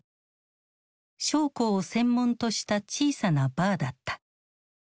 将校を専門とした小さなバーだった。